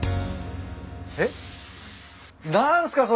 えっ？何すか？